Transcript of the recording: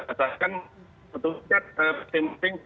asalkan untuk setiap pemerintah